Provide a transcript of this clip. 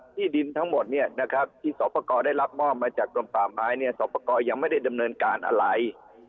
ที่ดินทั้งหมดที่สอบประกอบได้รับมอบมาจากกลมป่าไม้สอบประกอบยังไม่ได้ดำเนินการอะไร